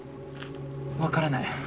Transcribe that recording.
分からない。